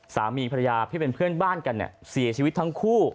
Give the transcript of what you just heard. สามีภรรยาที่เป็นเพื่อนบ้านกันเสียชีวิตทั้งคู่